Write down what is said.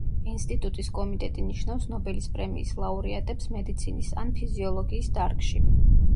ინსტიტუტის კომიტეტი ნიშნავს ნობელის პრემიის ლაურეატებს მედიცინის ან ფიზიოლოგიის დარგში.